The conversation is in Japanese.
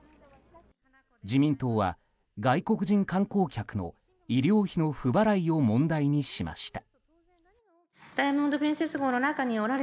自民党は、外国人観光客の医療費の不払いを問題にしました。